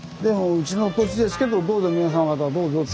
うちの土地ですけどどうぞ皆様方どうぞって。